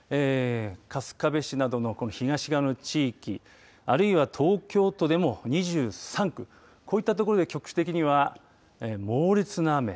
春日部市などの東側の地域あるいは東京都でも２３区こういった所で局地的には猛烈な雨。